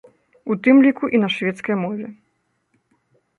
У тым ліку, і на шведскай мове.